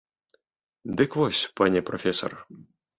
Дык вось, пане прафесар!